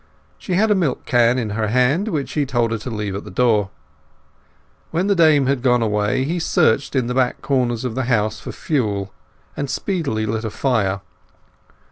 She had a milk can in her hand, which he told her to leave at the door. When the dame had gone away he searched in the back quarters of the house for fuel, and speedily lit a fire.